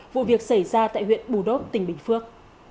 vụ việc xảy ra tại huyện bù đốc tỉnh bình phước